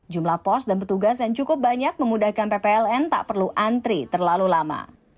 jumlah pos dan petugas yang cukup banyak memudahkan ppln tak perlu antri terlalu lama